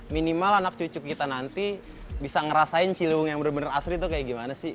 minimal anak cucu kita nanti bisa merasakan ciliwung yang benar benar asli itu seperti bagaimana sih